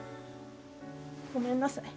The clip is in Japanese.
ごめんなさい。